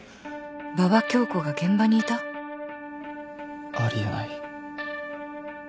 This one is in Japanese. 馬場恭子が現場にいた？あり得ない。